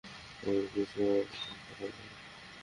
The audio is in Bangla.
আমি নিশ্চিত সে আমার প্রশংসা করবে না।